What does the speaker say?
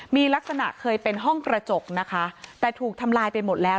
มีลักษณะเคยเป็นห้องกระจกนะคะแต่ถูกทำลายไปหมดแล้ว